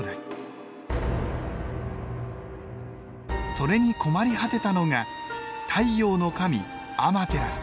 それに困り果てたのが太陽の神アマテラスです。